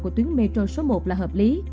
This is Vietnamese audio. của tuyến metro số một là hợp lý